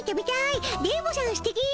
「電ボさんすてき！」。